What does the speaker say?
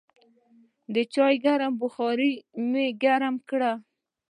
د چای ګرم بخار مې مخ ګرم کړ.